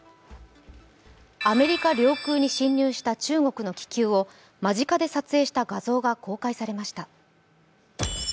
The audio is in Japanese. アメリカ領空に侵入した中国の気球を間近で撮影した画像が公開されました。